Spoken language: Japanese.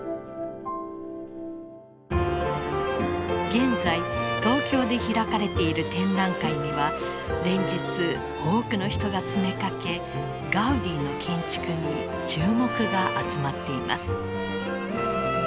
現在東京で開かれている展覧会には連日多くの人が詰めかけガウディの建築に注目が集まっています。